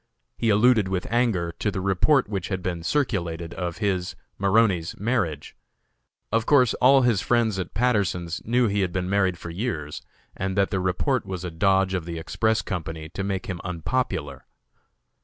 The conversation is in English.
He alluded with anger to the report which had been circulated of his, (Maroney's) marriage. Of course all his friends at Patterson's knew he had been married for years, and that the report was a dodge of the Express Company to make him unpopular.